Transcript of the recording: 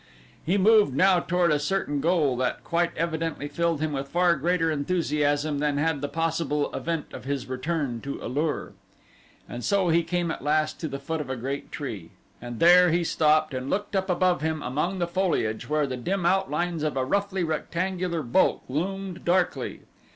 He moved now toward a certain goal that quite evidently filled him with far greater enthusiasm than had the possible event of his return to A lur. And so he came at last to the foot of a great tree and there he stopped and looked up above him among the foliage where the dim outlines of a roughly rectangular bulk loomed darkly.